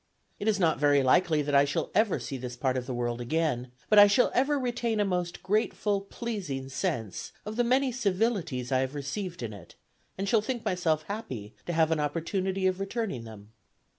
It is not very likely that I shall ever see this part of the world again, but I shall ever retain a most grateful, pleasing sense of the many civilities I have received in it, and shall think myself happy to have an opportunity of returning them."